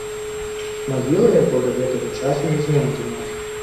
Магіла яго да гэтага часу не знойдзеная.